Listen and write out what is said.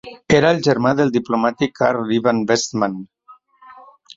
Era el germà del diplomàtic Karl Ivan Westman.